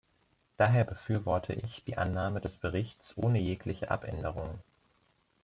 Daher befürworte ich die Annahme des Berichts ohne jegliche Abänderungen.